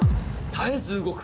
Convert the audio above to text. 絶えず動く